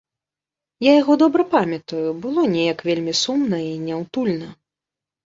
Я яго добра памятаю, было неяк вельмі сумна і няўтульна.